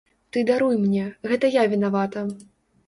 Ты даруй мне, гэта я вінавата.